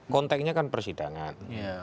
konteksnya kan persidangan